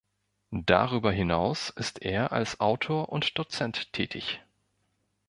Darüber hinaus ist er als Autor und Dozent tätig.